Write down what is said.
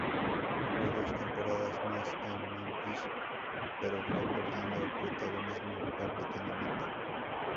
Jugó dos temporadas más en Memphis, pero fue perdiendo protagonismo paulatinamente.